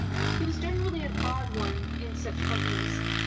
He was generally an odd one in such companies.